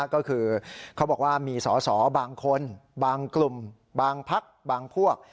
ก็คือเขาบอกว่ามีสอสอบางคนบางกลุ่มบางพักบางพวก